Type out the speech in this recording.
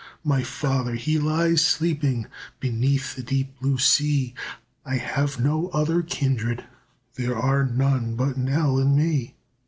My father, he lies sleeping Beneath the deep blue sea, I have no other kindred, There are none but Nell and me.